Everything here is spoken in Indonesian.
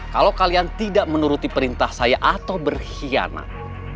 kalau kalian tidak menuruti perintah saya atau berkhianat